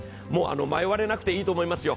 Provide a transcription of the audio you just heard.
迷われなくていいと思いますよ。